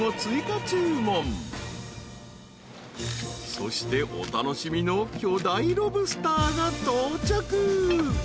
［そしてお楽しみの巨大ロブスターが到着］